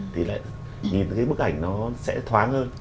thì lại nhìn cái bức ảnh nó sẽ thoáng hơn